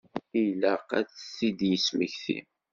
Ilaq ad t-id-yesmekti.